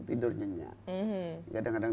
tidurnya nyak kadang kadang